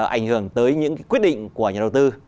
ảnh hưởng tới những quyết định của nhà đầu tư